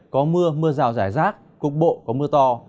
có mưa mưa rào rải rác cục bộ có mưa to